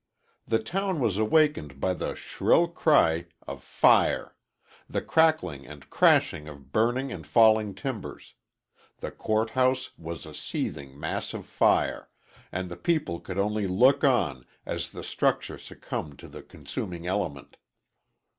The town was awakened by the shrill cry of "fire," the crackling and crashing of burning and falling timbers the court house was a seething mass of fire, and the people could only look on as the structure succumbed to the consuming element.